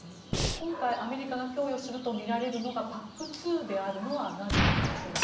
今回アメリカが供与するとみられるのがＰＡＣ２であるのはなぜなんでしょうか。